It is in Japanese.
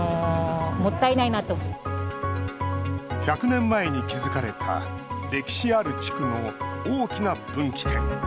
１００年前に築かれた歴史ある地区の大きな分岐点。